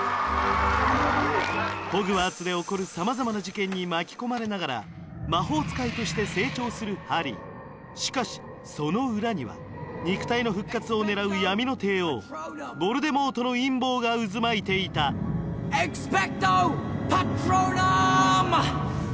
ホグワーツで起こる様々な事件に巻き込まれながら魔法使いとして成長するハリーしかしその裏には肉体の復活を狙う闇の帝王ヴォルデモートの陰謀が渦巻いていたエクスペクト・パトローナム！